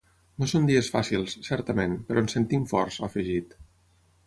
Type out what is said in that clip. No són dies fàcils, certament, però ens sentim forts, ha afegit.